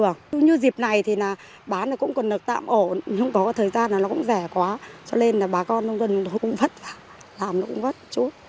nếu như dịp này thì bán cũng cần được tạm ổn nhưng có thời gian nó cũng rẻ quá cho nên bà con nông dân cũng vất vả làm nó cũng vất chút